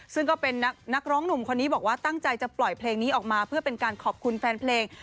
ซึ่งก็เป็นนักร้องหนุ่มคนนี้บอกว่าตั้งใจจะปล่อยเพลงนี้ออกมาเพื่อเป็นการขอบคุณแฟนเพลง